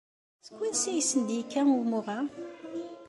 Seg wansi ay asen-d-yekka wumuɣ-a?